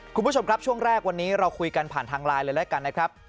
คุณผู้ชมครับช่วงแรกวันนี้เราคุยกันผ่านทางไลน์เลยแล้วกันนะครับ